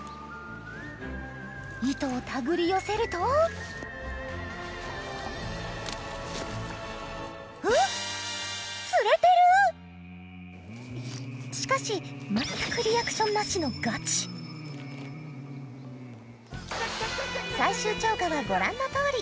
糸を手繰り寄せるとんっしかし全くリアクションなしのガチ最終釣果はご覧の通り。